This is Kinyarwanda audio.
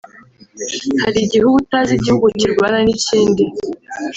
Hari igihe uba utazi igihugu kirwana n'ikindi